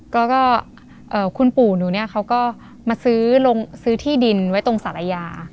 ก็คุณปู่หนูเนี่ยเขาก็มาซื้อลงซื้อที่ดินไว้ตรงศาลายา